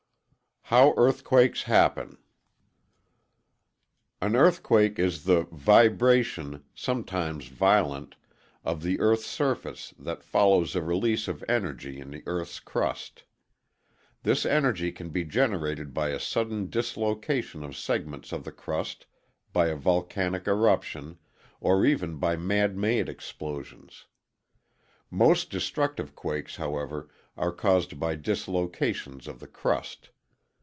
] How Earthquakes Happen An earthquake is the vibration, sometimes violent, of the EarthŌĆÖs surface that follows a release of energy in the EarthŌĆÖs crust. This energy can be generated by a sudden dislocation of segments of the crust, by a volcanic eruption, or even by manmade explosions. Most destructive quakes, however, are caused by dislocations of the crust.